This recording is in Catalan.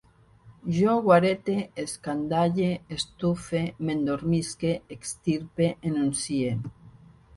Jo guarete, escandalle, estufe, m'endormisque, extirpe, enuncie